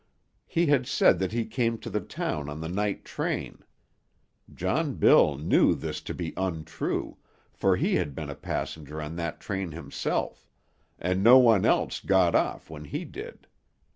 He had said that he came to the town on the night train. John Bill knew this to be untrue, for he had been a passenger on that train himself, and no one else got off when he did.